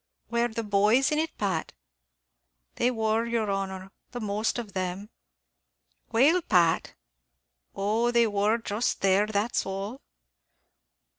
"Were the boys in it, Pat?" "They wor, yer honor, the most of 'em." "Well, Pat?" "Oh, they wor just there, that's all."